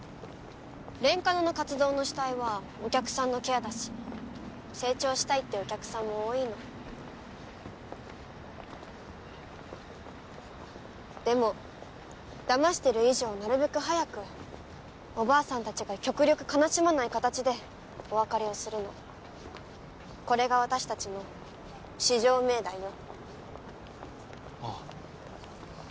レンカノの活動の主体はお客さんのケアだし成長したいってお客さんも多いのでもだましてる以上なるべく早くおばあさんたちが極力悲しまない形でお別れをするのこれが私たちの至上命題よああ